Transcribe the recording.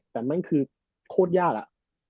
แต่แม่งคือโคตรยากอะ